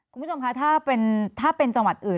คุณผู้ชมคะถ้าเป็นจังหวัดอื่น